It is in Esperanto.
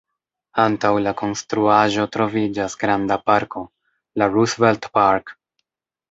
Antaŭ la konstruaĵo troviĝas granda parko, la „Roosevelt Park”.